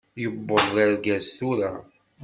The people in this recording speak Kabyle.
Yewweḍ d argaz tura!